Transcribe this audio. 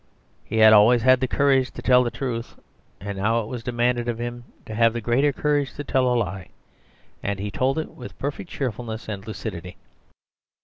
He had always had the courage to tell the truth; and now it was demanded of him to have the greater courage to tell a lie, and he told it with perfect cheerfulness and lucidity.